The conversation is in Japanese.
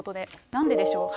なんででしょう。